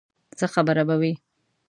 څه خبره به وي.